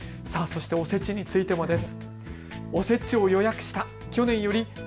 そして、おせちについてもです。